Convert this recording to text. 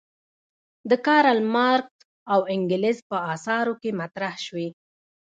د کارل مارکس او انګلز په اثارو کې مطرح شوې.